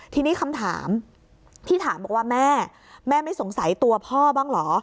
ทีนี้คำถามที่ถามบอกว่าแม่แม่ไม่สงสัยตัวพ่อบ้างเหรอ